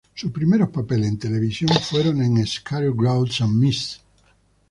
Sus primeros papeles en televisión fueron en "Scarecrow and Mrs.